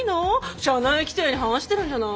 社内規定に反してるんじゃない？